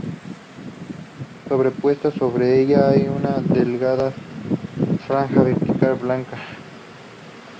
Sobrepuesta sobre ellas hay una delgada franja vertical blanca.